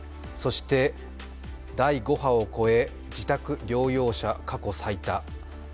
そして第５波を超え、自宅療養者、過去最多。